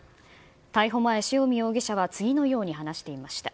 逮捕前、塩見容疑者は次のように話していました。